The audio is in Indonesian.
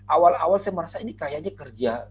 awal awal saya merasa ini kayaknya kerja